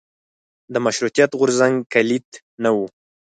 د مشروطیت غورځنګ کلیت نه و.